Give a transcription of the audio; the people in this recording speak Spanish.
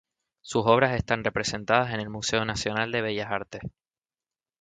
Sus obras están representadas en el Museo Nacional de Bellas Artes.